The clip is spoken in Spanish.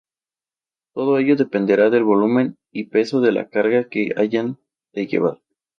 Todo ello dependerá del volumen y peso de la carga que hayan de llevar.